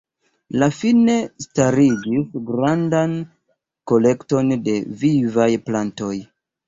Li fine starigis grandan kolekton de vivaj plantoj.